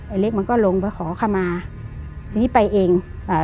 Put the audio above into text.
เล็กมันก็ลงไปขอขมาทีนี้ไปเองอ่า